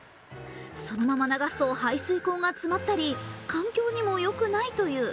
そのまま流すと排水溝が詰まったり環境にもよくないという。